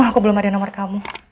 aku belum ada nomor kamu